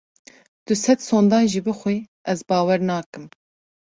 Tu sed sondan jî bixwî ez bawer nakim.